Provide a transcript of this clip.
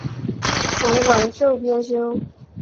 散馆授编修。